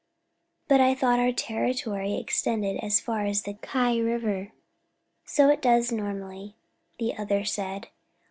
"But I thought our territory extended as far as the Kei River?" "So it does nominally," the other said.